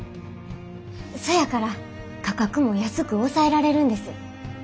そやから価格も安く抑えられるんです。